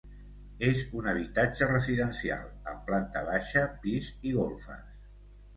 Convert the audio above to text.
És un habitatge residencial, amb planta baixa, pis i golfes.